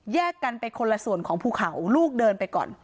กันไปคนละส่วนของภูเขาลูกเดินไปก่อน